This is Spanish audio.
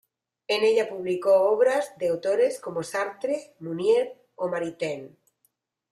En ella publicó obras de autores como Sartre, Mounier, o Maritain.